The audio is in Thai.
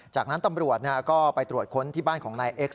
จากนั้นตำรวจก็ไปตรวจค้นที่บ้านของนายเอ็กซ